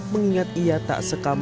mengingat ia tak sekam